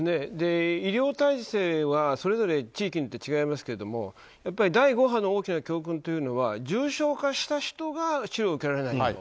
医療体制はそれぞれ地域によって違いますけども第５波の大きな教訓というのは重症化した人が治療を受けられない。